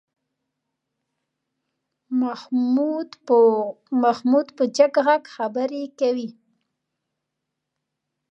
محمود په جګ غږ خبرې کوي.